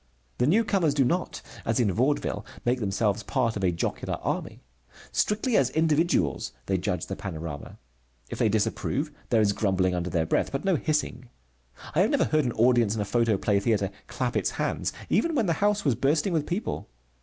The newcomers do not, as in Vaudeville, make themselves part of a jocular army. Strictly as individuals they judge the panorama. If they disapprove, there is grumbling under their breath, but no hissing. I have never heard an audience in a photoplay theatre clap its hands even when the house was bursting with people.